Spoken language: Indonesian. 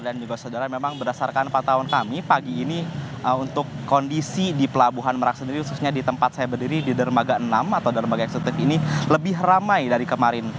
dan juga saudara memang berdasarkan pantauan kami pagi ini untuk kondisi di pelabuhan merak sendiri khususnya di tempat saya berdiri di dermaga enam atau dermaga eksekutif ini lebih ramai dari kemarin